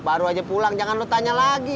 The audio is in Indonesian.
baru aja pulang jangan lo tanya lagi